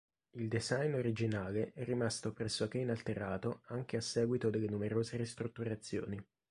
Il design originale è rimasto pressoché inalterato anche a seguito delle numerose ristrutturazioni.